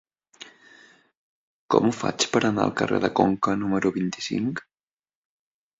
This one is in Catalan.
Com ho faig per anar al carrer de Conca número vint-i-cinc?